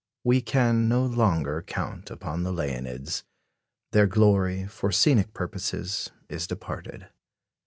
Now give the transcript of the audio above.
We can no longer count upon the Leonids. Their glory, for scenic purposes, is departed.